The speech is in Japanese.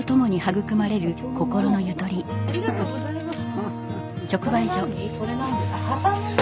ありがとうございます。